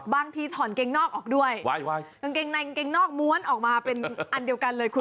ถอนเกงนอกออกด้วยกางเกงในกางเกงนอกม้วนออกมาเป็นอันเดียวกันเลยคุณ